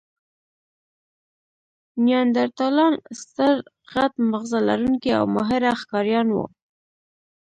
نیاندرتالان ستر، غټ ماغزه لرونکي او ماهره ښکاریان وو.